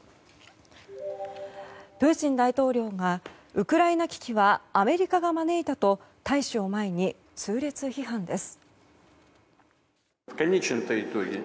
プーチン大統領がウクライナ危機はアメリカが招いたと大使を前に痛烈批判です。